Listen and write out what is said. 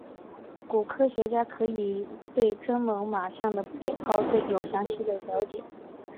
故科学家可以对真猛玛象的解剖有详细的了解。